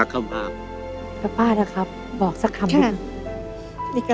รักเขามาป้าป้านะครับบอกสักคำใช่ค่ะ